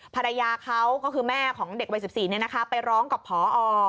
ภรรยาเขาก็คือแม่ของเด็กวัย๑๔ไปร้องกับพอ